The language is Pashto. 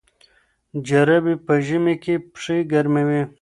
جرابې په ژمي کې پښې ګرموي.